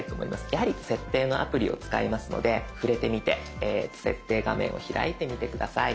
やはり設定のアプリを使いますので触れてみて設定画面を開いてみて下さい。